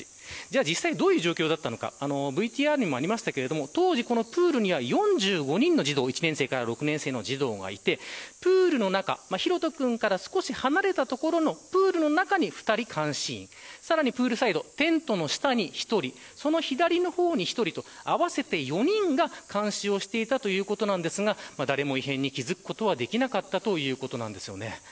実際という状況はどうだったのかＶＴＲにもありましたが当時、プールには４５人の児童１年生から６年生の児童がいて大翔君から少し離れたプールのところに監視プールサイド、テントの下に１人その左の方に１人と合わせて４人が監視をしていたということですが誰も異変に気付くことはできなかったということです。